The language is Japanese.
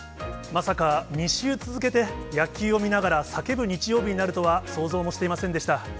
まさか、２週続けて野球を見ながら叫ぶ日曜日になるとは、想像もしていませんでした。